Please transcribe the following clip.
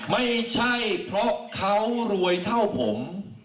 ไม่ใช่เพราะเขารวยเท่าผม